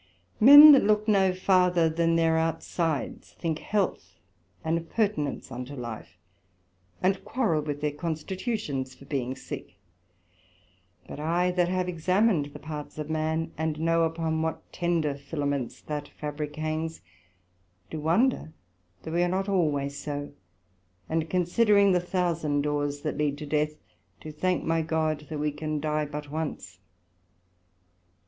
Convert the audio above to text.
Men that look no farther than their outsides, think health an appurtenance unto life, and quarrel with their constitutions for being sick; but I, that have examined the parts of man, and know upon what tender filaments that Fabrick hangs, do wonder that we are not always so; and considering the thousand doors that lead to death, do thank my God that we can die but once.